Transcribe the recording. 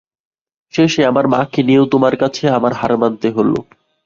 শেষে আমার মাকে নিয়েও তোমার কাছে আমার হার মানতে হল।